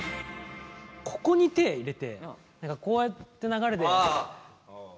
ここに手入れて何かこうやって流れでって。